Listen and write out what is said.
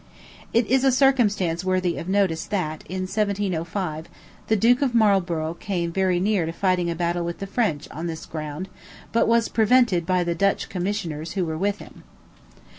It is a circumstance worthy of notice that, in 1705, the Duke of Marlborough came very near fighting a battle with the French, on this ground, but was prevented by the Dutch commissioners who were with him.